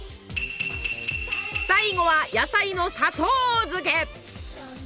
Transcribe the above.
最後は野菜の砂糖漬け。